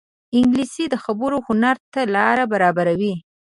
انګلیسي د خبرو هنر ته لاره برابروي